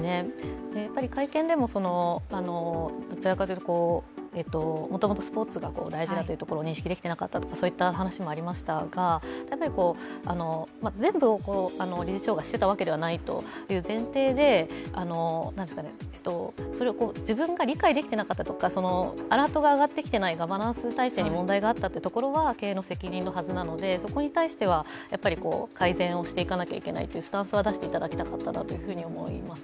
会見でもどちらかというともともとスポーツが大事だというところを認識できていなかったとかそういった話もありましたがやっぱり、全部を理事長が知っていたわけではないという前提でそれを自分が理解できていなかったとか、アラートがあがってきていない、ガバナンス体制に問題があったというところは経営の責任のはずなのでそこに対しては改善していかなければならないというスタンスは出していただきたかったです。